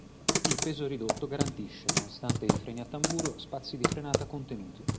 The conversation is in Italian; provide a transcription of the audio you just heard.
Il peso ridotto garantisce, nonostante i freni a tamburo, spazi di frenata contenuti.